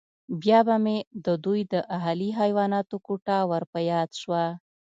بیا مې د دوی د اهلي حیواناتو کوټه ور په یاد شوه